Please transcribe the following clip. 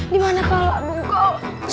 dimana kalau adu kau